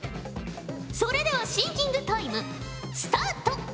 それではシンキングタイムスタート。